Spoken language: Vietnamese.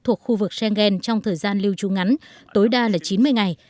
thuộc khu vực schengen trong thời gian lưu trú ngắn tối đa là chín mươi ngày